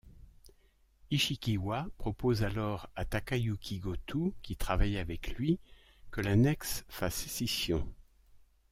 Ishikiwa propose alors à Takayuki Gotou, qui travaille avec lui, que l'annexe fasse scission.